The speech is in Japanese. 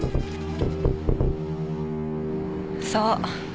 そう。